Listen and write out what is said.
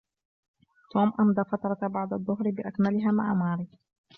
توم أمضى فترة بعد الظهر بأكملها مع ماري.